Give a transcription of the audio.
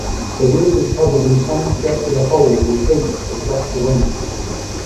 The roof is covered in ten circular holes with hoods to deflect the wind.